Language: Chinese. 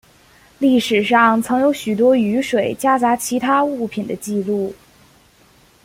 历史上曾有许多雨水夹杂其他物品的记录。